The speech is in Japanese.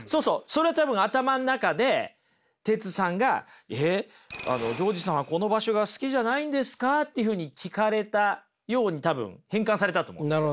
それは多分頭の中でテツさんが「えっジョウジさんはこの場所が好きじゃないんですか？」っていうふうに聞かれたように多分変換されたと思うんです。